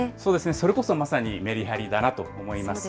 それこそまさにメリハリだなと思います。